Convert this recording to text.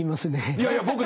いやいや僕ね